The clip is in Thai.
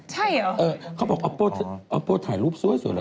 ใช่เหรอเขาบอกอัฟโต๊ะอัฟโบต่ายรูปสวยเหรอ